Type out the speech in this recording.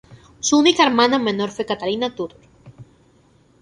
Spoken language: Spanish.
Su única hermana menor fue Catalina Tudor.